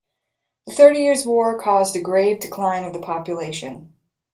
The Thirty Years' War caused a grave decline of the population.